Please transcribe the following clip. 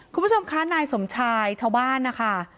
คุณผู้ชมคะนายสมชายชาวบ้านนะคะ